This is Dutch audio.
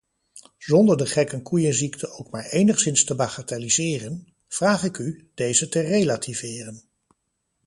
Zonder de gekkekoeienziekte ook maar enigszins te bagatelliseren, vraag ik u, deze te relativeren.